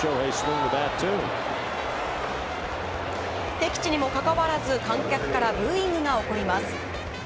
敵地にもかかわらず観客からブーイングが起こります。